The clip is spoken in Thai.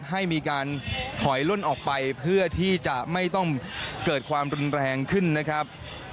ให้มีการถอยล่นออกไปเพื่อที่จะไม่ต้องเกิดความรุนแรงขึ้นนะครับ